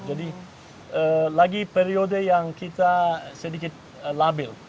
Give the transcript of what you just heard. lagi periode yang kita sedikit labil